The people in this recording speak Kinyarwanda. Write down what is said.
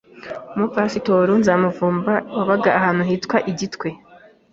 Umupasitoro Nzamuvumba wabaga ahantu hitwa i Gitwe,